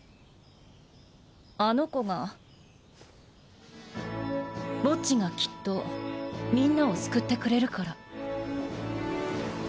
あの子がボッジがきっとみんなを救ってくれるから。